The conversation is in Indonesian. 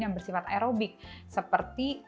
yang bersifat aerobik seperti